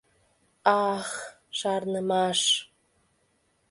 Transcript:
Ах, шарнымаш!